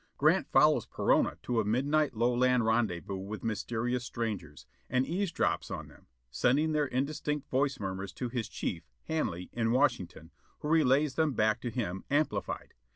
Grant follows Perona to a midnight Lowland rendezvous with mysterious strangers and eavesdrops on them, sending their indistinct voice murmurs to his chief, Hanley, in Washington, who relays them back to him, amplified.